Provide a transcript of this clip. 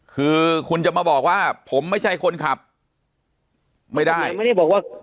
คือคุณจะมาบอกว่าผมไม่ใช่คนขับไม่ได้